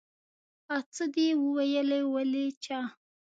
آ څه دې وويلې ولې چا.